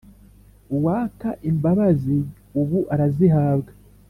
uwaka imbabazi ubu arazihabwa